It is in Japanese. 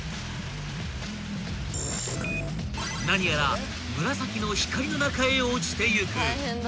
［何やら紫の光の中へ落ちていく］